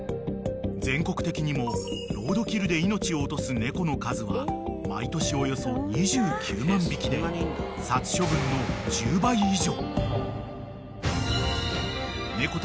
［全国的にもロードキルで命を落とす猫の数は毎年およそ２９万匹で殺処分の１０倍以上］